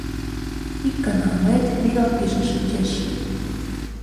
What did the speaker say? Ик гана ойлет, вигак пижын шинчеш.